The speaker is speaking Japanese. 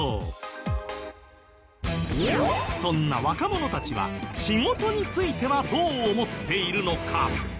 そんな若者たちは仕事についてはどう思っているのか？